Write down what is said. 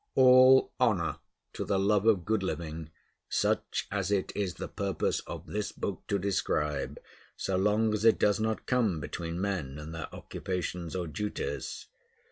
All honor to the love of good living, such as it is the purpose of this book to describe, so long as it does not come between men and their occupations or duties!